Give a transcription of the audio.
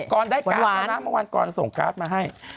กรรได้การตอนเมื่อวานกรส่งการ์ตมาให้